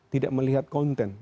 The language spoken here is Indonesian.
tidak melihat konten